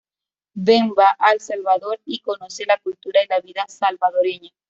Ben va a El Salvador y conoce la cultura y la vida salvadoreña.